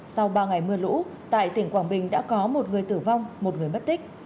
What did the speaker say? sau ba ngày mưa lũ tại tỉnh quảng bình đã có một người tử vong một người mất tích